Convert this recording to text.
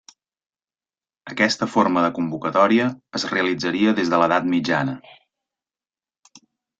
Aquesta forma de convocatòria es realitzaria des de l'edat mitjana.